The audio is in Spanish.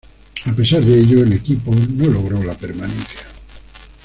A pesar de ello el equipo no logró la permanencia.